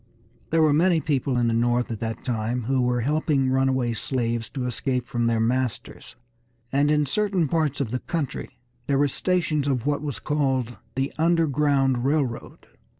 There were many people in the North at that time who were helping runaway slaves to escape from their masters, and in certain parts of the country there were stations of what was called the "Underground Railroad."